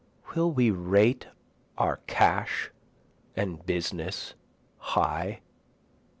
Will we rate our cash and business high?